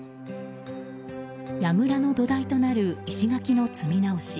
やぐらの土台となる石垣の積み直し。